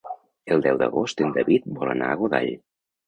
El deu d'agost en David vol anar a Godall.